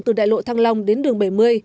từ đại lộ thăng long đến đường bảy mươi